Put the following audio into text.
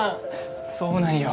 そうなんよ